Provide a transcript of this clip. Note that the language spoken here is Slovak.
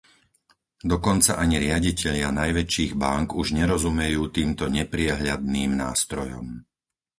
Dokonca ani riaditelia najväčších bánk už nerozumejú týmto nepriehľadným nástrojom.